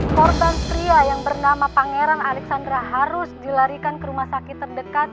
korban pria yang bernama pangeran alexandra harus dilarikan ke rumah sakit terdekat